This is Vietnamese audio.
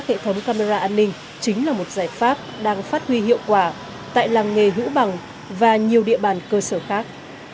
hệ thống camera an ninh chính là một giải pháp đang phát huy hiệu quả tại làng nghề hữu bằng và nhiều địa bàn cơ sở khác